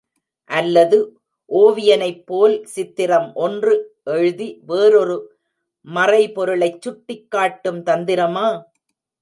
அல்லது ஒவியனைப் போல் சித்திரம் ஒன்று எழுதி வேறொரு மறை பொருளைச் சுட்டிக்காட்டும் தந்திரமா?